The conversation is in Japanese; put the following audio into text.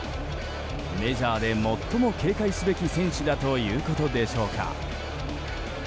メジャーで最も警戒すべき選手だということでしょうか。